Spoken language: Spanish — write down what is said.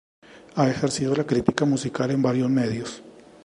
Ha ejercido la crítica musical en varios medios.